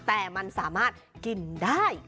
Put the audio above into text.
แต่มันสามารถกินได้